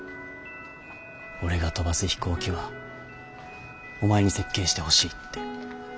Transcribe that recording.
俺が飛ばす飛行機はお前に設計してほしいって。